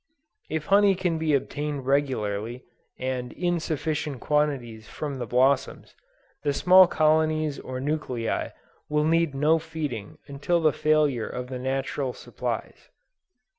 If honey can be obtained regularly, and in sufficient quantities from the blossoms, the small colonies or nuclei will need no feeding until the failure of the natural supplies.